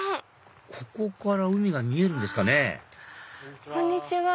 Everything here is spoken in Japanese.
ここから海が見えるんですかねこんにちは。